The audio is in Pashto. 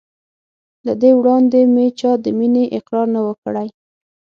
له دې وړاندې مې چا ته د مینې اقرار نه و کړی.